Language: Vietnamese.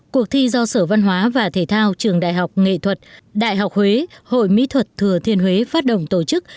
cuộc thi do sở văn hóa và thể thao trường đại học nghệ thuật đại học huế hội mỹ thuật thừa thiên huế phát động tổ chức